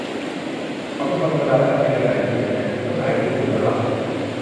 เขาเป็นคนธรรมดาและอัธยาศัยดี แต่ฉันคิดว่านายรู้อยู่แล้วล่ะ